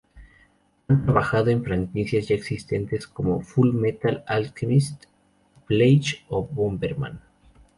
Han trabajado en franquicias ya existente, como Fullmetal Alchemist, Bleach o Bomberman.